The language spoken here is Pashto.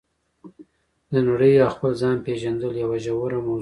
د نړۍ او خپل ځان پېژندل یوه ژوره موضوع ده.